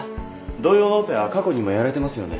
同様のオペは過去にもやられてますよね？